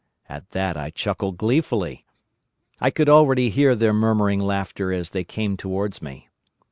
At that I chuckled gleefully. "I could already hear their murmuring laughter as they came towards me.